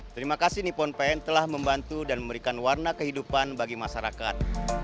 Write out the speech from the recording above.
terima kasih nippon pen telah membantu dan memberikan warna kehidupan bagi masyarakat